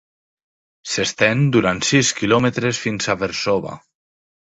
S'estén durant sis quilòmetres fins a Versova.